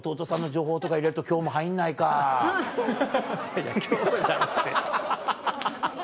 いや今日じゃなくて。